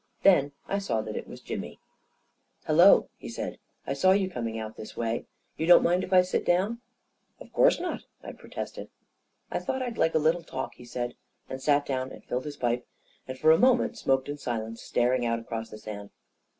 Then I saw that it was Jimmy. A KING IN BABYLON 119 11 Hello I " he said. " I saw you coming out this way. You don't mind if I sit down ?"" Of course not," I protested. " I thought I'd like a little talk," he said, and sat down and filled his pipe, and for a moment smoked in silence, staring out across the sand.